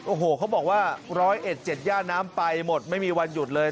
โอ้โหเขาบอกว่า๑๐๑๗ย่าน้ำไปหมดไม่มีวันหยุดเลย